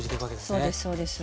そうですそうです。